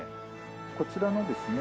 こちらのですね